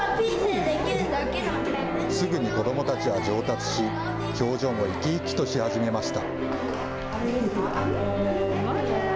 すぐに子どもたちは上達し表情も生き生きとし始めました。